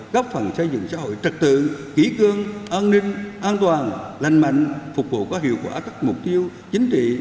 góp phần xây dựng xã hội trật tự kỹ cương an ninh an toàn lành mạnh phục vụ có hiệu quả các mục tiêu chính trị